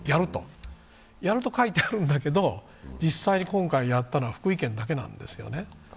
やると書いてあるんだけど実際に今回やったのは福井県だけなんですよね。